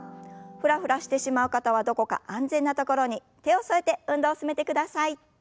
フラフラしてしまう方はどこか安全な所に手を添えて運動を進めてください。